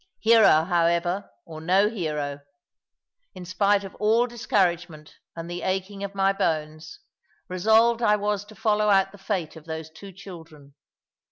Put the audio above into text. Hero, however, or no hero, in spite of all discouragement and the aching of my bones, resolved I was to follow out the fate of those two children.